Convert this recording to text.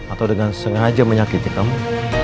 atau dengan sengaja menyakiti kamu